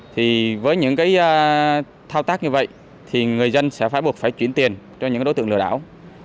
thì với những cái thao tác như vậy thì người dân sẽ phải buộc phải chuyển tiền cho những đối tượng lừa đảo